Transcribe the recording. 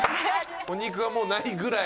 お肉がもうないくらい。